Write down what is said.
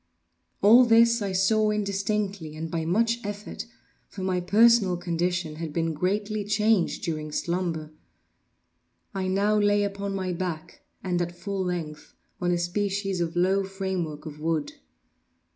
All this I saw indistinctly and by much effort—for my personal condition had been greatly changed during slumber. I now lay upon my back, and at full length, on a species of low framework of wood.